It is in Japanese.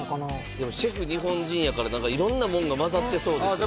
でもシェフ日本人やから何か色んなもんが混ざってそうですよね